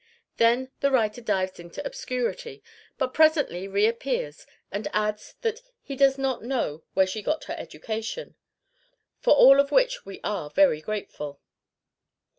Then the writer dives into obscurity, but presently reappears and adds that he does not know where she got her education. For all of which we are very grateful.